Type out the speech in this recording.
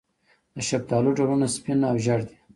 د شفتالو ډولونه سپین او ژیړ دي.